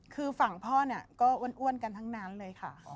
คือฝั่งพ่อเนี่ยก็อ้วนกันทั้งนั้นเลยค่ะ